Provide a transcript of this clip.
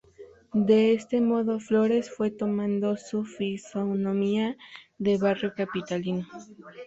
De este modo, Flores fue tomando su fisonomía de barrio capitalino.